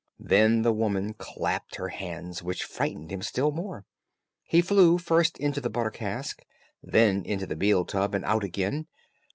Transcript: Then the woman clapped her hands, which frightened him still more. He flew first into the butter cask, then into the meal tub, and out again.